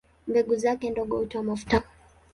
Mbegu zake ndogo hutoa mafuta.